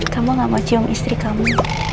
kamu gak mau cium istri kamu